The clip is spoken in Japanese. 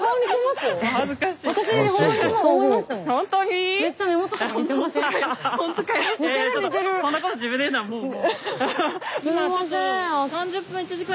すいません。